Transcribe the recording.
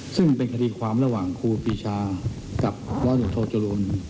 ซึ่งเป็นคดีความระหว่างครูปีชากับร้อยตรวจโทจรูล